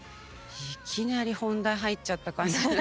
いきなり本題入っちゃった感じ。